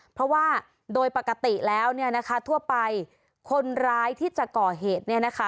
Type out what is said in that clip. เพราะว่าโดยปกติแล้วเนี่ยนะคะทั่วไปคนร้ายที่จะก่อเหตุเนี่ยนะคะ